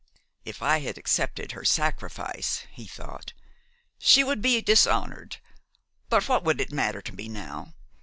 "If I had accepted her sacrifice," he thought, "she would be dishonored; but what would it matter to me now?